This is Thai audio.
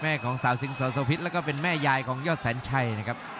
แม่ของสาวสิงศาวโสพิษและแม่ยายของยอสาญชัยนะครับ